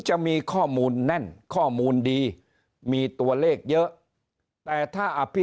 จะมีข้อมูลแน่นข้อมูลดีมีตัวเลขเยอะแต่ถ้าอภิ